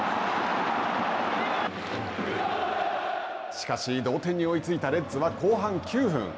しかし同点に追いついたレッズは後半９分。